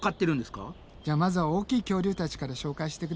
じゃあまずは大きい恐竜たちから紹介してくね。